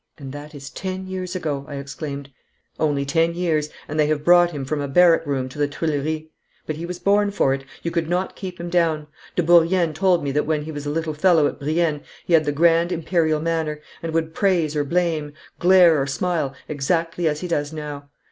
'And that is ten years ago,' I exclaimed. 'Only ten years, and they have brought him from a barrack room to the Tuileries. But he was born for it. You could not keep him down. De Bourrienne told me that when he was a little fellow at Brienne he had the grand Imperial manner, and would praise or blame, glare or smile, exactly as he does now.